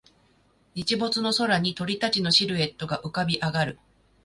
日没の空に鳥たちのシルエットが浮かび上がる